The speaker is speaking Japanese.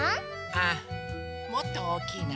あっもっとおおきいな。